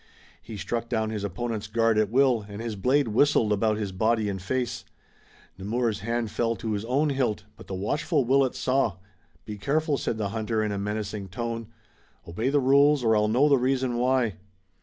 He struck down his opponent's guard at will, and his blade whistled about his body and face. Nemours' hand fell to his own hilt, but the watchful Willet saw. "Be careful," the hunter said in a menacing tone. "Obey the rules or I'll know the reason why."